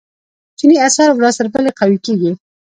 چیني اسعار ورځ تر بلې قوي کیږي.